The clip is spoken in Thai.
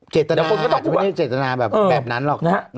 เจตนาไม่ใช่เจตนาแบบนั้นหรอก